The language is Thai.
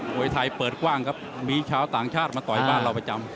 วยไทยเปิดกว้างครับมีชาวต่างชาติมาต่อยบ้านเราประจำ